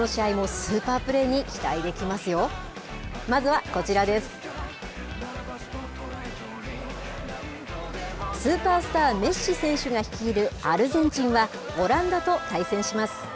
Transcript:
スーパースター、メッシ選手が率いるアルゼンチンは、オランダと対戦します。